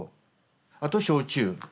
あと焼酎。